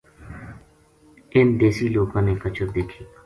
انھ دیسی لوکاں نے کچر دیکھی